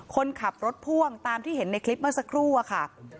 คนขับรถพ่วงตามที่เห็นในคลิปเมื่อสักครู่อะค่ะ